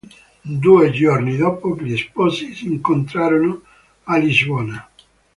Due giorni dopo gli sposi si incontrarono a Lisbona.